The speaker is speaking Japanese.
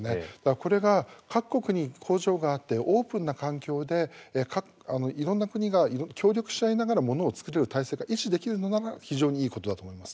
これが各国に工場があってオープンな環境でいろんな国が協力しあいながらものを作れる体制が維持できるのなら非常にいいことだと思います。